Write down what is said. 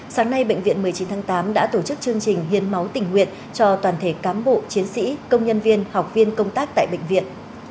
sáng nay bệnh viện một mươi chín tháng tám đã tổ chức chương trình hiến máu tình nguyện cho toàn thể cán bộ chiến sĩ công nhân viên học viên công tác tại bệnh viện